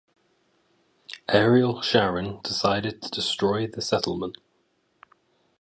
Ariel Sharon decided to destroy the settlement.